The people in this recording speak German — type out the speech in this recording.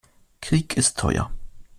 Krieg ist teuer.